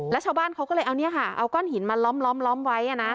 แล้วชาวบ้านเขาก็เลยเอาเนี้ยค่ะเอาก้อนหินมาล้อมล้อมล้อมไว้อ่ะน่ะ